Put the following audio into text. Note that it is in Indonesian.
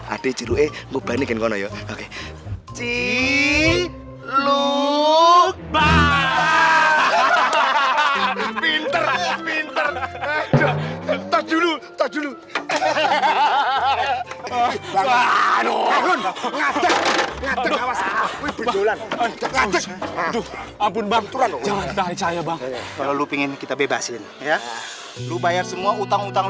abun abun bang jangan takut saya bang kalau lu pingin kita bebasin ya lu bayar semua utang utang